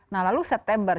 nah lalu september